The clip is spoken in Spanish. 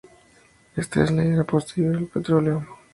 Esta es la era posterior al petróleo.